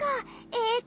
えっと。